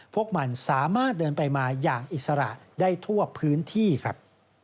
พวกมันสามารถเดินไปมาอย่างอิสระได้ทั่วพื้นที่ครับ